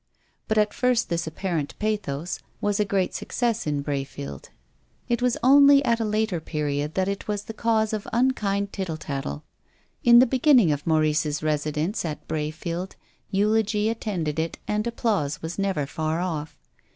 But, at first, this apparent pathos was a great success in Brayfield. It was only at a later period that it was the cause of unkind tittle tattle. In the beginning of Maurice's residence at Brayfield eulogy attended it and applause was never far off.